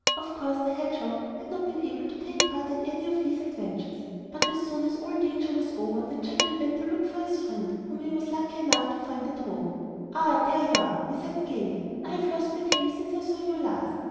Of course the hedgehog had not been able to take part in any of these adventures; but as soon as all danger was over, the jackal went to look for his friend, whom he was lucky enough to find at home. 'Ah, there you are,' he said gaily. 'I have lost my tail since I saw you last.